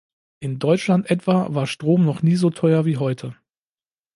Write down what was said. In Deutschland etwa war Strom noch nie so teuer wie heute.